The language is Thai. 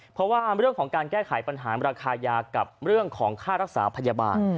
เพราะว่าเรื่องของการแก้ไขปัญหาราคายากับเรื่องของค่ารักษาพยาบาล